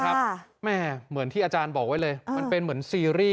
แม่เหมือนที่อาจารย์บอกไว้เลยมันเป็นเหมือนซีรีส์